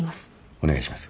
お願いします。